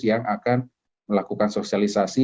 yang akan melakukan sosialisasi